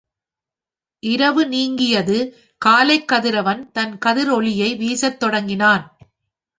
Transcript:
இரவு நீங்கியது காலைக் கதிரவன் தன் கதிர் ஒளியை வீசத் தொடங்கினான்.